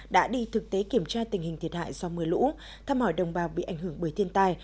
đã đi thực tế kiểm tra tình hình thiệt hại do mưa lũ thăm hỏi đồng bào bị ảnh hưởng bởi thiên tai